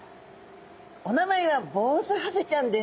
お名前はボウズハゼちゃんです。